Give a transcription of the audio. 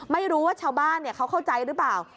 ไม่รู้ว่าชาวบ้านเขาเข้าใจหรือเปล่า